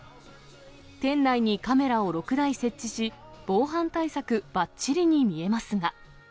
店内にカメラを６台設置し、防犯対策ばっちりに見えますが。